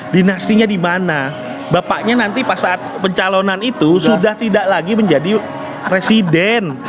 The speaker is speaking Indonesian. dinastinya di mana bapaknya nanti pas saat pencalonan itu sudah tidak lagi menjadi presiden